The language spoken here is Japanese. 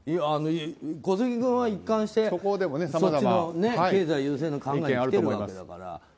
小杉君は一貫してそっちの経済優先の考えで来てるわけだから。